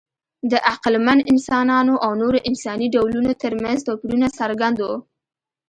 د عقلمن انسانانو او نورو انساني ډولونو ترمنځ توپیرونه څرګند وو.